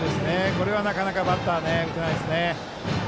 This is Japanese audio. これはなかなかバッター打てないですね。